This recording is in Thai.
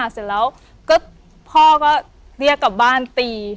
เสร็จแล้วพ่อก็เรียกกลับบ้านตี